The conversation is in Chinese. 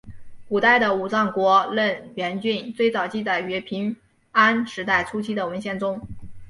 古代的武藏国荏原郡最早记载于平安时代初期的文献中。